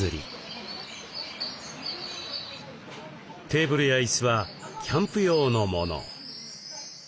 テーブルや椅子はキャンプ用のもの。